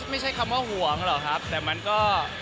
ไม่ใช่คำว่าห่วงหรอกครับแต่มันก็